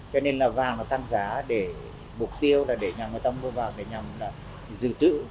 cho nên là vàng nó tăng giá để mục tiêu là để nhằm người ta mua vàng để nhằm là dư trữ